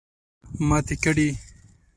ماتې کړې.